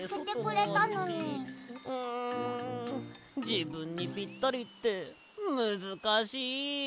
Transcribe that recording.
じぶんにぴったりってむずかしい。